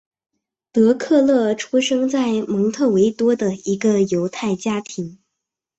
德克勒出生在蒙特维多的一个犹太家庭。